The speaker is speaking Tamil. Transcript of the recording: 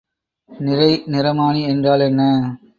நிறை நிறமானி என்றால் என்ன?